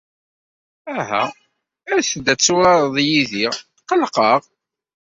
Aha, as-d ad turareḍ yid-i, tqellqeɣ!